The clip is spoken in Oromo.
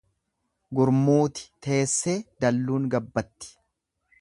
Gurmuuti teessee dalluun gabbatti.